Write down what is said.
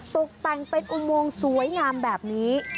ตกแต่งเป็นอุโมงสวยงามแบบนี้